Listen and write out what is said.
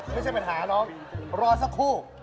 ไม่ใช่ปัญหาน้องรอสักครู่